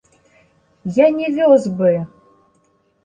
Я не вёз бы!